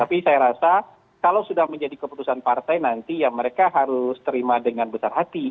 tapi saya rasa kalau sudah menjadi keputusan partai nanti ya mereka harus terima dengan besar hati